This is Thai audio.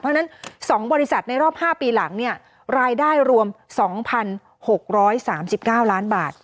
เพราะฉะนั้น๒บริษัทในรอบ๕ปีหลังเนี่ยรายได้รวม๒๖๓๙ล้านบาท